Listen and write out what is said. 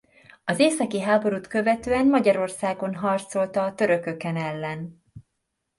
Az északi háborút követően Magyarországon harcolt a törököken ellen.